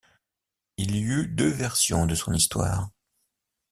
Il y eut deux versions de son histoire.